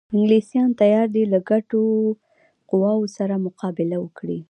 انګلیسیان تیار دي له ګډو قواوو سره مقابله وکړي.